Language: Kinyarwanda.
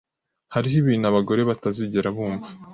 Hariho ibintu abagore batazigera bumva ...